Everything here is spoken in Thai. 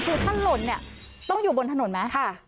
คือถ้าหล่นเนี่ยต้องอยู่บนถนนไหม